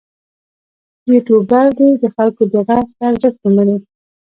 یوټوبر دې د خلکو د غږ ارزښت ومني.